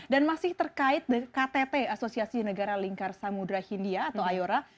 dan masih terkait ktt asosiasi negara lingkar samudera hindia atau ayora